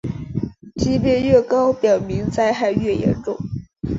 级别越高表明灾害越严重。